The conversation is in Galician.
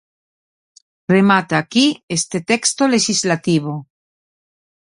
Remata aquí este texto lexislativo.